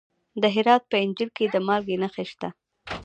د هرات په انجیل کې د مالګې نښې شته.